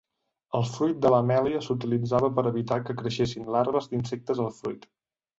El fruit de la mèlia s'utilitzava per evitar que creixessin larves d'insectes al fruit.